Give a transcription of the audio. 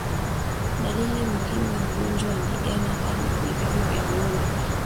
Dalili muhimu ya ugonjwa wa ndigana kali ni vifo vya ngombe